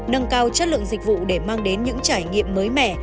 nâng cao chất lượng dịch vụ để mang đến những trải nghiệm mới mẻ